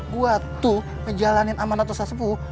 gue tuh ngejalanin amanah ustaz sepuh